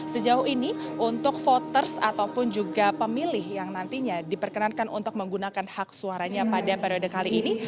sejauh ini untuk voters ataupun juga pemilih yang nantinya diperkenankan untuk menggunakan hak suaranya pada periode kali ini